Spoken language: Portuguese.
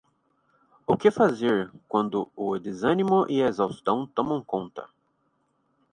O que fazer quando o desânimo e a exaustão tomam conta